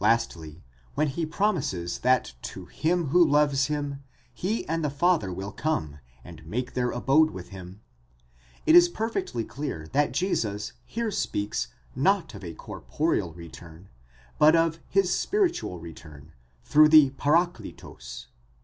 Lastly, when he promises that to him who loves him, he and the Father will come, and make their abode with him, it is perfectly clear that Jesus here speaks not of a corporeal return, but of his spiritual return, through the παράκλητος.